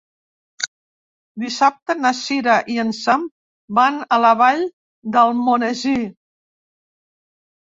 Dissabte na Sira i en Sam van a la Vall d'Almonesir.